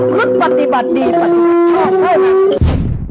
และปรับพฤติบัติดีปรับทอดเท่านั้น